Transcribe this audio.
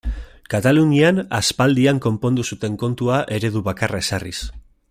Katalunian aspaldian konpondu zuten kontua eredu bakarra ezarriz.